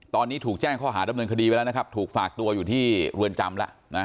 ตอนนี้ถูกแจ้งข้อหาดำเนินคดีไปแล้วนะครับถูกฝากตัวอยู่ที่เรือนจำแล้วนะ